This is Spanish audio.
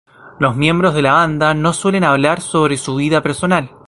Los miembros de la banda no suelen hablar sobre su vida personal.